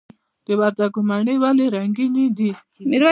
د وردګو مڼې ولې رنګینې دي؟